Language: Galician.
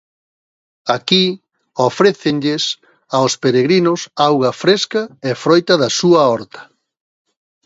Aquí, ofrécenlles aos peregrinos auga fresca e froita da súa horta.